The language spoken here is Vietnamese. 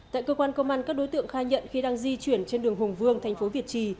tại cơ quan công an các đối tượng khai nhận khi đang di chuyển trên đường hùng vương thành phố việt trì